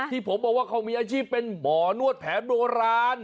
ที่ผมบอกว่าเขามีอาชีพเป็นหมอนวดแผนโบราณ